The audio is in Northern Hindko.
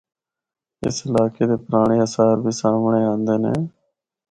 اس علاقے دی پرانڑے آثار بھی سامنڑے آندے نے۔